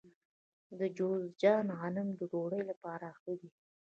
د جوزجان غنم د ډوډۍ لپاره ښه دي.